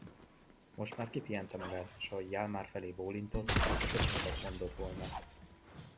Most már kipihente magát, s ahogy Hjalmar felé bólintott, mintha köszönetet mondott volna.